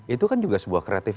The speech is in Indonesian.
itu kan juga sebuah kreatifitas